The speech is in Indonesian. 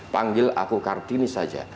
panggil aku kartini saja